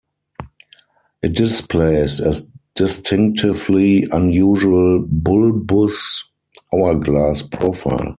It displays a distinctively unusual bulbous hourglass profile.